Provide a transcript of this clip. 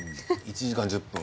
１時間１０分。